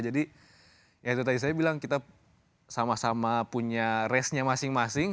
jadi ya itu tadi saya bilang kita sama sama punya race nya masing masing